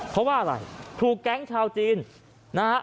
เพราะว่าอะไรถูกแก๊งชาวจีนนะฮะ